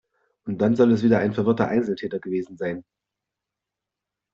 Und dann soll es wieder ein verwirrter Einzeltäter gewesen sein.